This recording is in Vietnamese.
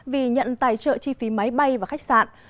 vì nhận tài trợ chi phí máy bay và khách sạn